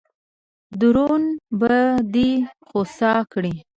درون به دې خوسا کړي.